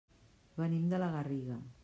Venim de la Garriga.